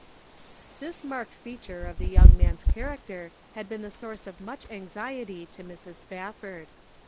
125 This marked feature of the young man's character had been the source of much anx iety to Mrs. Spafford.